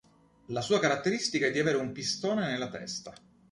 La sua caratteristica è di avere un pistone nella testa.